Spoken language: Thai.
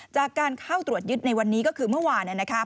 จากการเข้าตรวจยึดในวันนี้ก็คือเมื่อวานนะครับ